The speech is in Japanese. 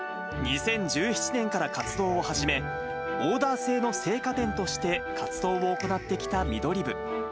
２０１７年から活動を始め、オーダー制の生花店として活動を行ってきたミドリブ。